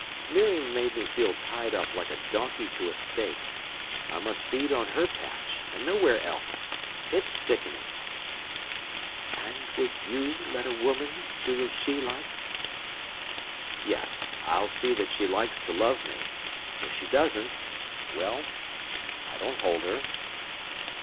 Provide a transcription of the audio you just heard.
Miriam made me feel tied up like a donkey to a stake. I must feed on her patch, and nowhere else. It's sickening!" "And would you let a woman do as she likes?" "Yes; I'll see that she likes to love me. If she doesn't—well, I don't hold her."